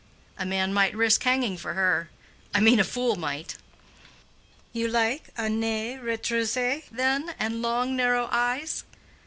A man might risk hanging for her—I mean a fool might." "You like a nez retroussé, then, and long narrow eyes?"